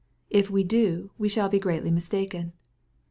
If we do, we shall be greatly mistaken.